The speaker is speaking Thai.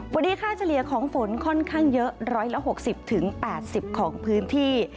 วันนี้ค่าเฉลี่ยของฝนค่อนข้างเยอะ๑๖๐๘๐ของพื้นที่